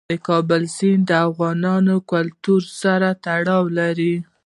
د کابل سیند د افغان کلتور سره تړاو لري.